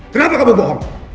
kenapa kamu bohong